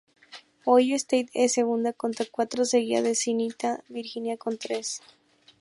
Ohio State es segunda con cuatro, seguida de Cincinnati y Virginia con tres.